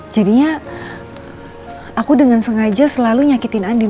jadinya aku dengan sengaja selalu nyakitin andi